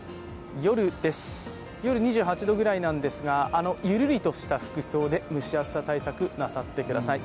夜です、２８度ぐらいなんですが、ゆるりとした服装で蒸し暑さ対策をなさってください。